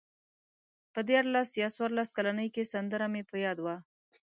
په دیارلس یا څوارلس کلنۍ کې سندره مې په یاد وه.